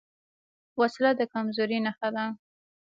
وسله د کمزورۍ نښه ده